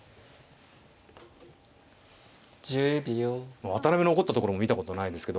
まあ渡辺の怒ったところも見たことないですけど。